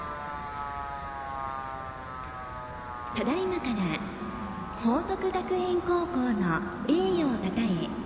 ただいまから報徳学園高校の栄誉をたたえ